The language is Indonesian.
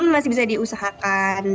masih bisa diusahakan